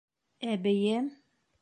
Әбейем?